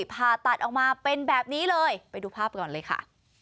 ผ่าตัดออกมาเป็นแบบนี้เลยไปดูภาพก่อนเลยค่ะ